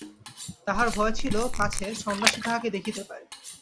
তাহার ভয় ছিল পাছে সন্ন্যাসী তাহাকে দেখিতে পায়।